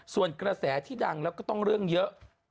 ส่วนกระแสที่ดังแล้วก็ต้องเรื่องเยอะ